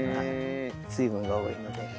水分が多いので。